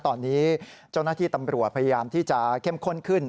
ตอนนี้เจ้าหน้าที่ตำรวจพยายามที่จะเข้มข้นขึ้น